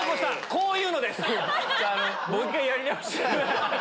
こういうのです！